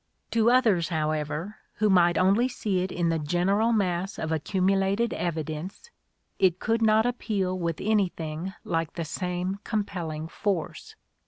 To others however, who might only see it in the general mass of accumulated evidence, it could not appeal with anything like the same compelling force.